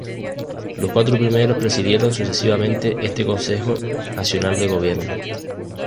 Los cuatro primeros presidieron sucesivamente este Consejo Nacional de Gobierno.